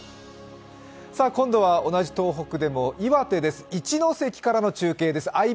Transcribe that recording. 今度は同じ東北でも岩手です、一関からの中継です。